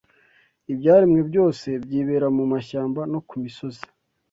Ibyaremwe byose byibera mu mashyamba no ku misozi